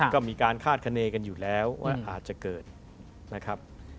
ก็มีการคาดคณีกันอยู่แล้วว่าอาจจะเกิดนะครับ